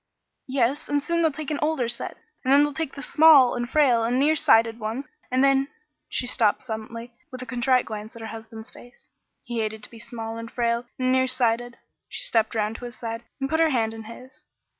"Yes, and soon they'll take an older set, and then they'll take the small and frail and near sighted ones, and then " She stopped suddenly, with a contrite glance at her husband's face. He hated to be small and frail and near sighted. She stepped round to his side and put her hand in his.